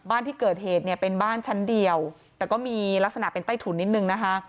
บ้านที่เกิดเหตุเนี่ยเป็นบ้านชั้นเดียวแต่ก็มีลักษณะเป็นใต้ถุนนิดนึงนะคะ